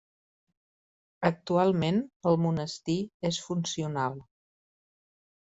Actualment el monestir és funcional.